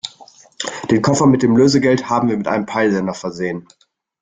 Den Koffer mit dem Lösegeld haben wir mit einem Peilsender versehen.